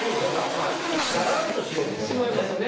まあだらんとしようと思いますね。